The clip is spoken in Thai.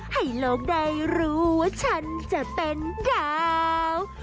ให้โลกได้รู้ว่าฉันจะเป็นดาว